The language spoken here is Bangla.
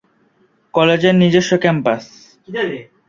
কলেজের নিজস্ব ক্যাম্পাস।